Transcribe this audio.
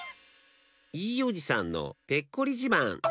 いいおじさんのペッコリじまん。